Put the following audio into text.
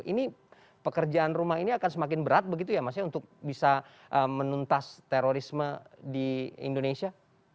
ini pekerjaan rumah ini akan semakin berat begitu ya mas ya untuk bisa menuntas terorisme di indonesia